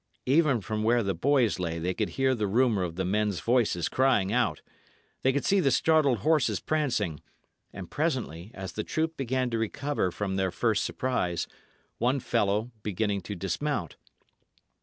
Even from where the boys lay they could hear the rumour of the men's voices crying out; they could see the startled horses prancing, and, presently, as the troop began to recover from their first surprise, one fellow beginning to dismount.